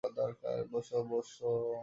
বোসো, বোসো।